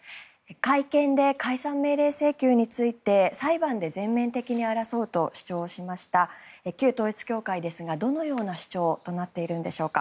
会見で解散命令請求について裁判で全面的に争うと主張しました旧統一教会ですがどのような主張となっているのでしょうか。